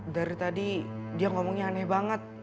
dari tadi dia ngomongnya aneh banget